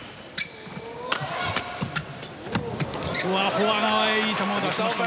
フォア側へいい球を出しました。